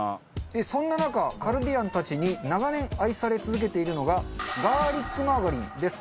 そんな中カルディアンたちに長年愛され続けているのがガーリックマーガリンです。